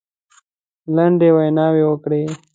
لنډې ویناوي وکړې.